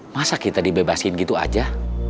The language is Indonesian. masa kita dibebasin gitu aja